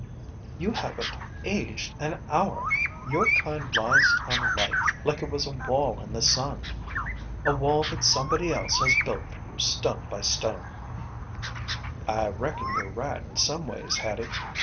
"You haven't aged an hour. Your kind lies on life like it was a wall in the sun. A wall that somebody else has built for you stone by stone." "I reckon you're right in some ways, Hattie.